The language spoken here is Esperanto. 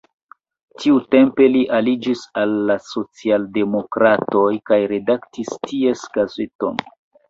Tiutempe li aliĝis al la socialdemokratoj kaj redaktis ties gazeton.